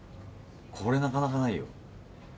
これなかなかないよ。